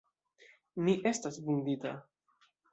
Mi estas vundita!